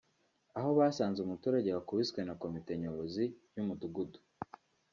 aho basanze umuturage wakubiswe na Komite nyobozi y’umudugudu